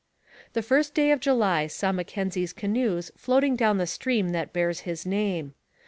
The first day of July saw Mackenzie's canoes floating down the stream that bears his name.